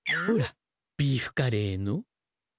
ほらビーフカレーの。